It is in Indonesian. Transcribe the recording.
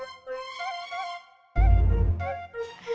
muka dia senang sekali